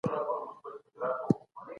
دا سافټویر تر پخواني نسخه ډېر چټک دی.